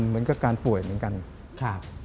มันก็การป่วยเหมือนกัน